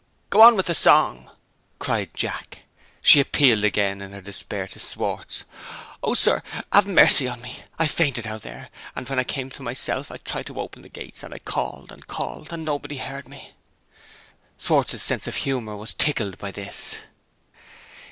"Go on with the song!" cried Jack. She appealed again in her despair to Schwartz. "Oh, sir, have mercy on me! I fainted, out there and, when I came to myself, I tried to open the gates and I called, and called, and nobody heard me." Schwartz's sense of humor was tickled by this.